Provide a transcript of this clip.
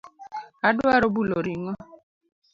Adwaro bulo ring'o.